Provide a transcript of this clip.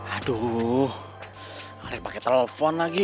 aduh alek pake telepon lagi